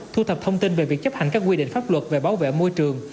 thu thập thông tin về việc chấp hành các quy định pháp luật về bảo vệ môi trường